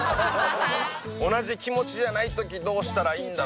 「同じ気持ちじゃないときどうしたらいいんだろ」